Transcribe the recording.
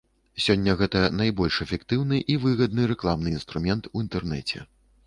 Сёння гэта найбольш эфектыўны і выгадны рэкламны інструмент у інтэрнэце.